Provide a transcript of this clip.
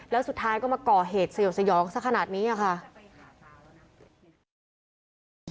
แล้วสุดท้ายก็มาก่อเหตุสยบสยองสักขนาดนี้ค่ะ